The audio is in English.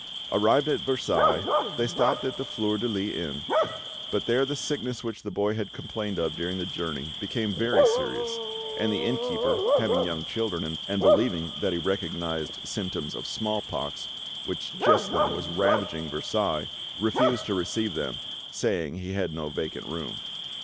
Arrived at Versailles, they stopped at the Fleur de lys inn, but there the sickness which the boy had complained of during the journey became very serious, and the innkeeper, having young children, and believing that he recognised symptoms of smallpox, which just then was ravaging Versailles, refused to receive them, saying he had no vacant room.